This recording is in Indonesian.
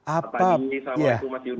apa ini assalamualaikum mas yuda